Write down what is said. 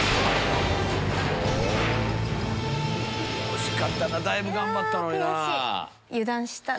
惜しかったなぁだいぶ頑張ったのになぁ。